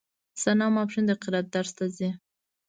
ثنا ماسپښين د قرائت درس ته ځي.